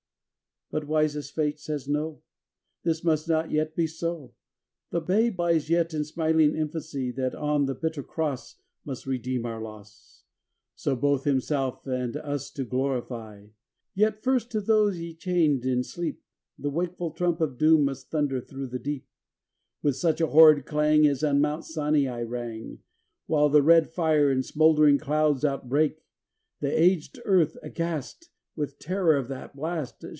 XVI But wisest Fate says No, This must not yet be so; The Babe lies yet in smiling infancy That on the bitter cross Must redeem our loss. So both himself and us to glorify: Yet first, to those ychained in sleep, The wakeful trump of doom must thunder through the deep, XVII With such a horrid clang As on Mount Sinai rang, While the red fire and smouldering clouds outbrake: The aged Earth, aghast With terror of that blast.